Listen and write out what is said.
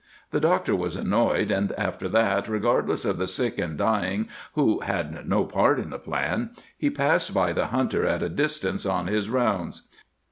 The doctor was annoyed and after that, regardless of the sick and dying who had no part in the plan, he passed by the Hunter at a distance on his rounds.